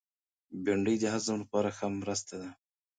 بېنډۍ د هضم لپاره ښه مرسته ده